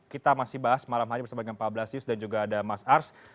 kita masih bahas malam hari bersama dengan pak ablasius dan juga ada mas ars